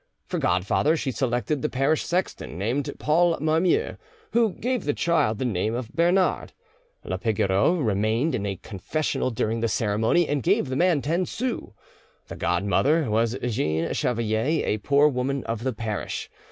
For godfather she selected the parish sexton, named Paul Marmiou, who gave the child the name of Bernard. La Pigoreau remained in a confessional during the ceremony, and gave the man ten sou. The godmother was Jeanne Chevalier, a poor woman of the parish.